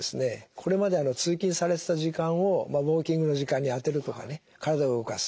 これまで通勤されてた時間をウォーキングの時間に充てるとかね体を動かす。